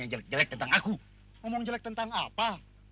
yang jelek tentang aku ngomong jelek tentang apa